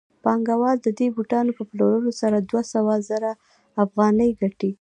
پانګوال د دې بوټانو په پلورلو سره دوه سوه زره افغانۍ ګټي